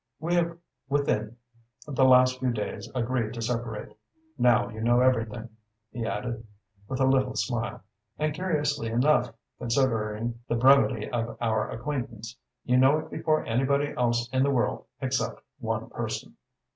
We have within the last few days agreed to separate. Now you know everything," he added, with a little smile, "and curiously enough, considering the brevity of our acquaintance, you know it before anybody else in the world except one person."